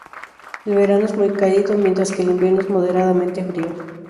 El verano es muy cálido, mientras que el invierno es moderadamente frío.